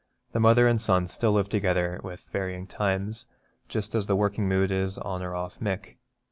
The mother and son still live together, with varying times, just as the working mood is on or off Mick.